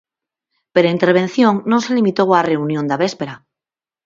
Pero a intervención non se limitou á reunión da véspera.